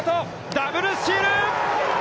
ダブルスチール！